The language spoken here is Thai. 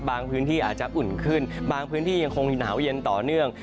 พื้นที่อาจจะอุ่นขึ้นบางพื้นที่ยังคงหนาวเย็นต่อเนื่อง